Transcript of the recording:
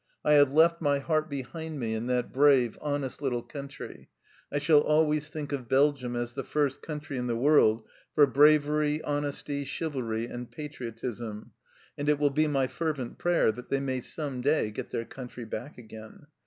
I have left my heart behind me in that brave, honest little country. I shall always think of Belgium as the first country in the world for bravery, honesty, chivalry, and patriotism, and it will be my fervent prayer that they may some day get their country back again.